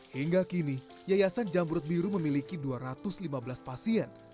hingga kini yayasan jamrut biru memiliki dua ratus lima belas pasien